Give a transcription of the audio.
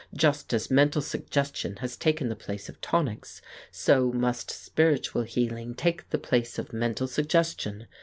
Just as mental suggestion has taken the place of tonics, so must spiritual healing take the place of mental suggestion.